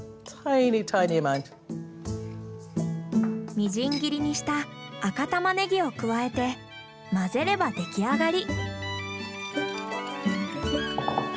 みじん切りにした赤タマネギを加えて混ぜれば出来上がり。